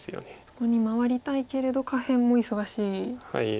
そこに回りたいけれど下辺も忙しいですよね。